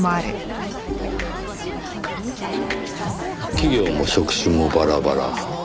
企業も職種もバラバラ。